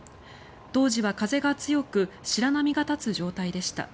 当時は風が強く白波が立つ状態でした。